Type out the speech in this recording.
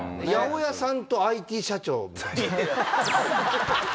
八百屋さんとＩＴ社長みたいな。